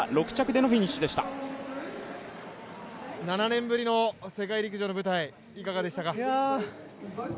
７年ぶりの世界陸上の舞台、いかがでしたか。